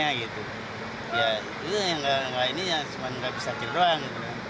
ya itu yang gak bisa kir doang